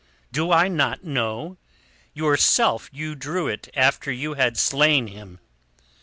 "Do I not know? Yourself you drew it after you had slain him."